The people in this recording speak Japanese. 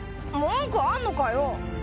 文句あんのかよ？